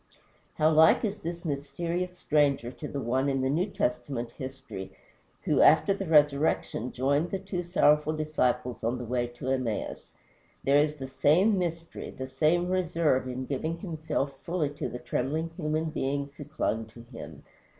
How like is this mysterious stranger to the One in the New Testament history who after the resurrection joined the two sorrowful disciples on the way to Emmaus. There is the same mystery, the same reserve in giving himself fully to the trembling human beings who clung to him.